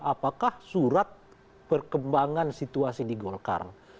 apakah surat perkembangan situasi di golkar